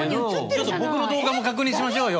ちょっと僕の動画も確認しましょうよ。